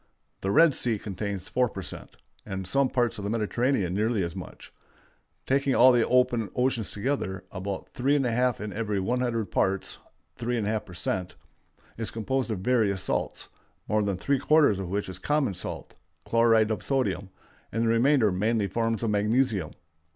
The Red Sea contains 4 per cent., and some parts of the Mediterranean nearly as much. Taking all the open oceans together, about 3½ in every 100 parts (3½ per cent.) is composed of various salts, more than three quarters of which is common salt (chloride of sodium), and the remainder mainly forms of magnesium.